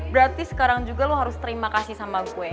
berarti sekarang juga lo harus terima kasih sama gue